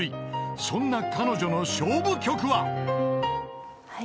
［そんな彼女の勝負曲は］